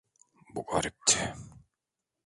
Bu garipti.